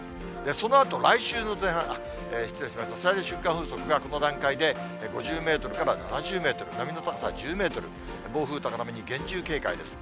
そのあと、最大瞬間風速がこの段階で５０メートルから７０メートル、波の高さ１０メートル、暴風、高波に厳重警戒です。